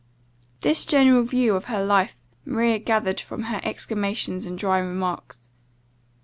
This general view of her life, Maria gathered from her exclamations and dry remarks.